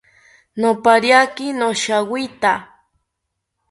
Nopariaki noshiawita